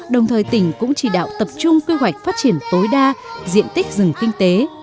đồng thời tỉnh cũng chỉ đạo tập trung quy hoạch phát triển tối đa diện tích rừng kinh tế